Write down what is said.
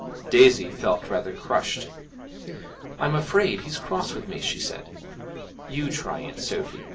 Daisy felt rather crushed. 'I'm afraid he's cross with me,' she said; 'you try, Aunt Sophy.'